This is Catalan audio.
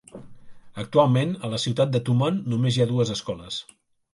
Actualment a la ciutat de Tumon només hi ha dues escoles.